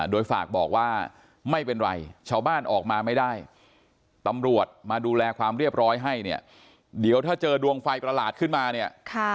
โดยฝากบอกว่าไม่เป็นไรชาวบ้านออกมาไม่ได้ตำรวจมาดูแลความเรียบร้อยให้เนี่ยเดี๋ยวถ้าเจอดวงไฟประหลาดขึ้นมาเนี่ย